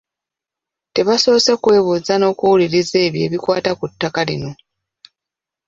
Tebasoose kwebuuza n'okuwuliriza ebyo ebikwata ku ttaka lino.